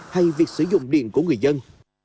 hay việc sử dụng điện của người dân